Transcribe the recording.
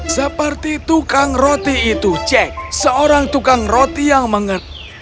seperti tukang roti itu cek seorang tukang roti yang mengek